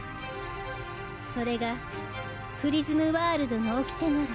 それがプリズムワールドの掟なら。